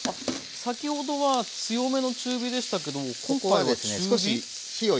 先ほどは強めの中火でしたけど今回は中火？